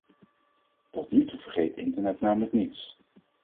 Tot nu toe vergeet internet namelijk niets!